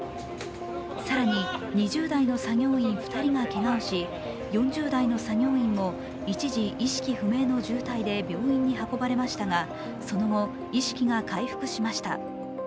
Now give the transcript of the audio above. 更に２０代の作業員２人がけがをし４０代の作業員も一時意識不明の重体で病院に運ばれましたがその後、意識が回復しました。